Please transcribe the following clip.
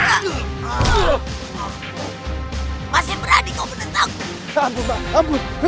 ampun ampun ampun